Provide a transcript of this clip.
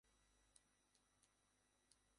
ইহা নিবারণ করিতেই হইবে, ইহা শাস্ত্রবিরুদ্ধ।